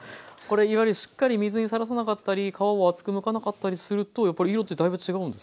これいわゆるしっかり水にさらさなかったり皮を厚くむかなかったりするとやっぱり色ってだいぶ違うんですか？